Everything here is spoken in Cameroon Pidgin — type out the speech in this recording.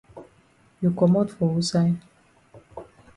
You komot for wusaid?